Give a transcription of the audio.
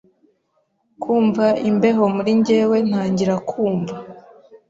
kumva imbeho muri njyewe ntangira kumva